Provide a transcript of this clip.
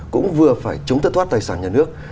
cũng vừa phải chống thất thoát tài sản nhà nước